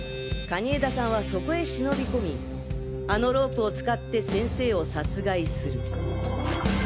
蟹江田さんはそこへ忍び込みあのロープを使って先生を殺害する。